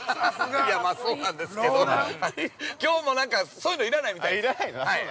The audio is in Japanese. ◆いや、まあそうなんですけどきょう、そういうのいらないみたいです。